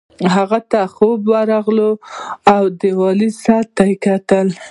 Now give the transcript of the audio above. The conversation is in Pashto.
هغه ته خوب ورغی او دیوالي ساعت ته یې وکتل